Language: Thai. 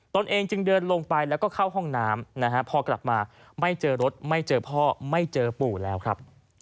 ตนเองจึงเดินลงไปแล้วก็เข้าห้องน้ำนะฮะพอกลับมาไม่เจอรถไม่เจอพ่อไม่เจอปู่แล้วครับ